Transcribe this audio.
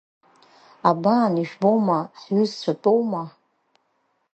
Абан ижәбома, ҳҩызцәа тәоума?